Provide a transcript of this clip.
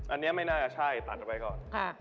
อันนี้ไม่น่าจะใช่ตัดเอาไว้ก่อน